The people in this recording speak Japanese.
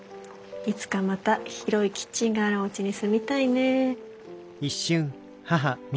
いつかまた広いキッチンがあるおうちに住みたいね。